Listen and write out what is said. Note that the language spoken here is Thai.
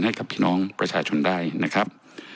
ให้กับพี่น้องประชาชนได้นะครับ